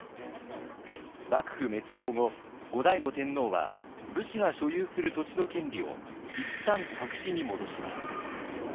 幕府滅亡後後醍醐天皇は武士が所有する土地の権利を一旦白紙に戻します。